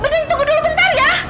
mungkin tunggu dulu bentar ya